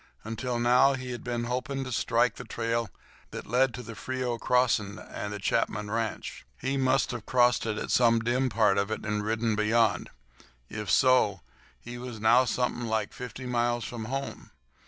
Until now he had been hoping to strike the trail that led to the Frio crossing and the Chapman ranch. He must have crossed it at some dim part of it and ridden beyond. If so he was now something like fifty miles from home.